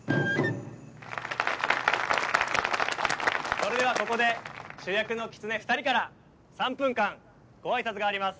それではここで主役のきつね２人から３分間ご挨拶があります。